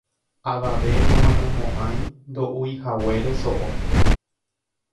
Avave nomanomo'ãi ndo'uihaguére so'o.